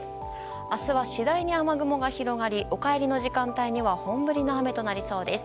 明日は次第に雨雲が広がりお帰りの時間帯には本降りの雨となりそうです。